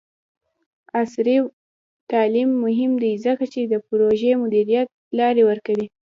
عصري تعلیم مهم دی ځکه چې د پروژې مدیریت لارې ورکوي.